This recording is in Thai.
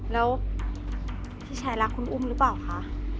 แล้วพี่ชายรักคุณอุ้มหรือเปล่าคะ